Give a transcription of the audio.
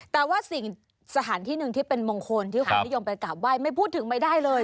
แต่ว่าสิ่งสถานที่หนึ่งที่เป็นมงคลที่คนนิยมไปกราบไห้ไม่พูดถึงไม่ได้เลย